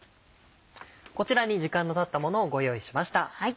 こちらに時間のたったものをご用意しました。